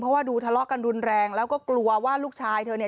เพราะว่าดูทะเลาะกันรุนแรงแล้วก็กลัวว่าลูกชายเธอเนี่ย